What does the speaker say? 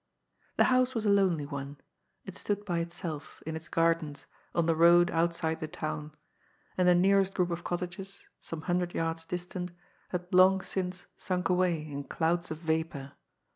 The house was a lonely one. It stood by itself, in its gardens, on the road outside the town; and the nearest group of cottages, soii^e hundred yards distant, had long since sunk away in clouds of vapour.